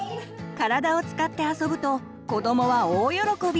体を使って遊ぶと子どもは大喜び！